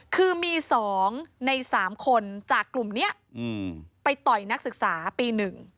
คือมี๒ใน๓คนจากกลุ่มนี้ไปต่อยนักศึกษาปี๑